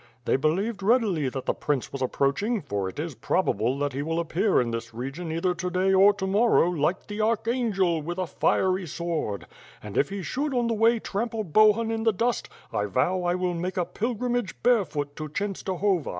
They believed readily that the prince was approaching; for it is probable that he will appear in this region either to day or to morrow, like the archangel, with a fiery sword; and if he should on the way trample Bohun in the dust, I vow I will make a pilgrimage barefoot to Chenstohovo.